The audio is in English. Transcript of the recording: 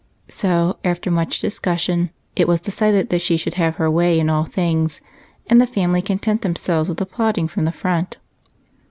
So, after much discussion, it was decided that she should have her way in all things and the family content themselves with applauding from the front.